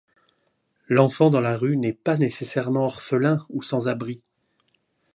L'enfant dans la rue n'est pas nécessairement orphelin ou sans abri.